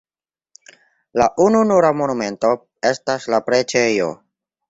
La ununura monumento estas la preĝejo.